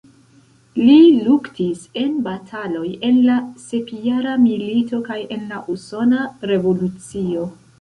Li luktis en bataloj en la Sepjara milito kaj en la Usona revolucio.